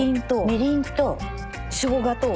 みりんと。